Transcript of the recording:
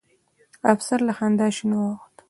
افسر له خندا شين واوښت.